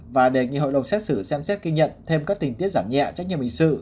và đề nghị hội đồng xét xử xem xét ghi nhận thêm các tình tiết giảm nhẹ trách nhiệm hình sự